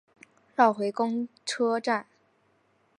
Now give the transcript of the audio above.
绕回公车站